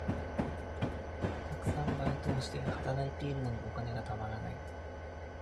たくさんバイトをして、働いているのにお金がたまらない。